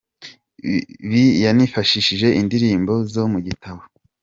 Bi yanifashishije indirimbo zo mu gitabo